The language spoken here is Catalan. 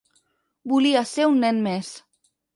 Volia ser un nen més.